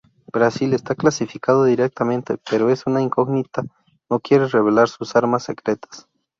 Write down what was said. Brasil está clasificado directamente pero es una incógnita, no quiere revelar sus armas secretas.